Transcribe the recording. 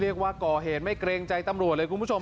ก่อเหตุไม่เกรงใจตำรวจเลยคุณผู้ชม